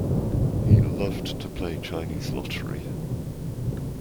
He loved to play Chinese lottery.